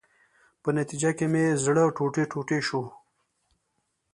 په نتیجه کې مې زړه ټوټې ټوټې شو.